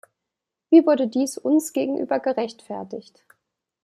Wie wurde dies uns gegenüber gerechtfertigt?